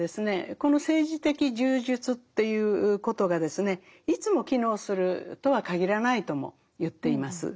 この政治的柔術ということがですねいつも機能するとは限らないとも言っています。